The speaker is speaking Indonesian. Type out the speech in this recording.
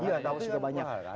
iya ya itu yang bagus